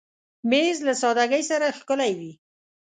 مېز له سادګۍ سره ښکلی وي.